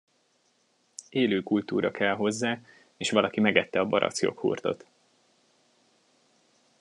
Élő kultúra kell hozzá, és valaki megette a barackjoghurtot.